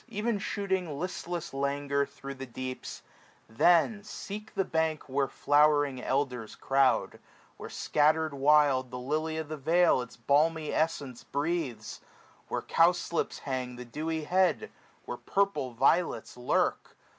Even shooting listless languor thro' the deeps ; Then seek the bank where flowering elders croud, Where scatterM wild the lily of the vale Its balmy essence breathes, where cowslips hang 445 The dewy head, where purple violets lurk.